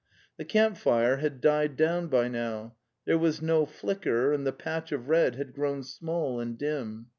The camp fire had died down by now; there was no flicker, and the patch of red had grown small and dim.